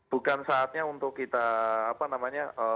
bukan saatnya untuk kita apa namanya